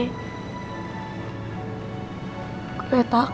kamu ingin menemui gue